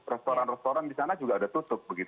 restoran restoran di sana juga ada tutup